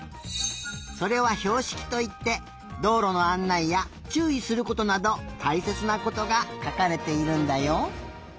それはひょうしきといってどうろのあんないやちゅういすることなどたいせつなことがかかれているんだよ。